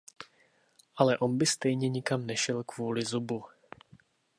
Ale on by stejně nikam nešel kvůli zubu.